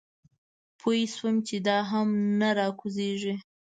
پوی شوم چې دا هم نه راکوزېږي.